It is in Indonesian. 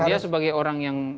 dia sebagai orang yang